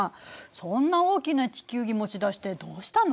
そんな大きな地球儀持ち出してどうしたの？